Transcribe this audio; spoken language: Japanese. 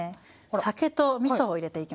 酒とみそを入れていきます。